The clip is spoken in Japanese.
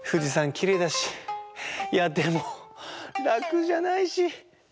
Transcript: きれいだしいやでもらくじゃないし。